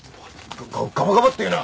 ガガガバガバって言うな！